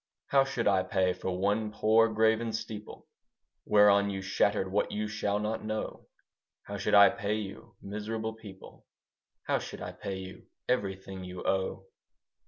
How should I pay for one poor graven steeple Whereon you shattered what you shall not know? How should I pay you, miserable people, How should I pay you everything you owe?